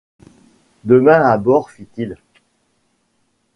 Demain à bord, fit-il.